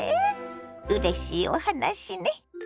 うれしいお話ね。